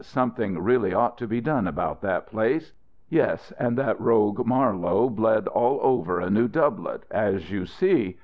Something really ought to be done about that place. Yes, and that rogue Marler bled all over a new doublet, as you see.